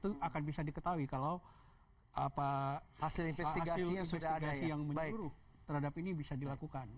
itu akan bisa diketahui kalau hasil investigasi yang menyuruh terhadap ini bisa dilakukan